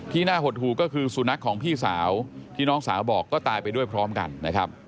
น่าหดหูก็คือสุนัขของพี่สาวที่น้องสาวบอกก็ตายไปด้วยพร้อมกันนะครับ